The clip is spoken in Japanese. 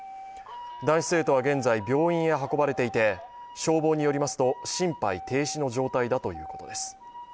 男子生徒は現在、病院へ運ばれていて消防によりますと、心肺停止の状態だということです。